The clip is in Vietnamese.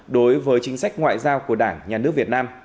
đối với chính sách ngoại giao của đảng nhà nước việt nam